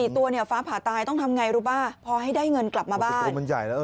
๔ตัวเนี่ยฟ้าผ่าตายต้องทำง่ายรู้ป่าว